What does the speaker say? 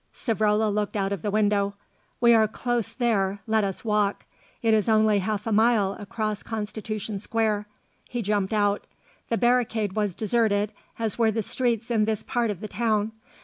Savrola looked out of the window. "We are close there, let us walk; it is only half a mile across Constitution Square." He jumped out. The barricade was deserted, as were the streets in this part of the town.